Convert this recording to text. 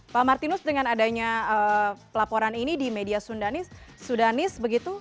pak martinus dengan adanya pelaporan ini di media sudanis begitu